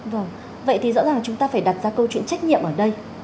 vâng vậy thì rõ ràng chúng ta phải đặt ra câu chuyện trách nhiệm ở đây